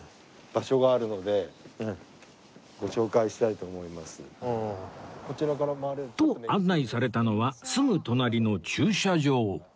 と案内されたのはすぐ隣の駐車場